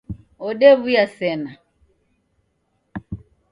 Odew'uya sena